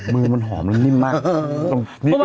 มือมันหอมแล้วนิ่มมาก